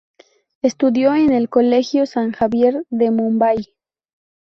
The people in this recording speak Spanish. Estudio en el Colegio San Javier de Mumbai.